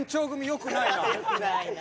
よくないわ。